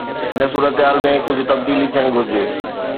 هن صورتحال ۾ ڪجهه تبديلي ٿيڻ گهرجي.